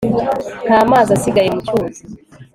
Nta mazi asigaye mu cyuzi